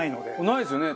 ないですよね。